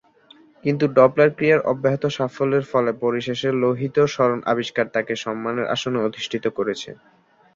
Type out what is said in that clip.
কিন্তু, ডপলার ক্রিয়ার অব্যাহত সাফল্যের ফলে পরিশেষে লোহিত সরণ আবিষ্কার তাকে সম্মানের আসনে অধিষ্ঠিত করেছে।